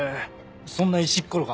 そんな石っころが？